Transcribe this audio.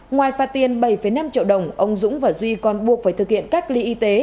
ngoài phạt tiền bảy năm triệu đồng ông dũng và duy còn buộc phải thực hiện cách ly y tế